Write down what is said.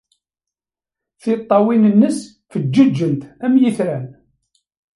Tiṭṭawin-nnes feǧǧeǧent am yitran.